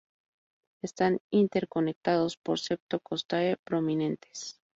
Están interconectados por septo-costae prominentes.